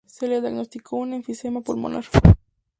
Se le diagnosticó un enfisema pulmonar.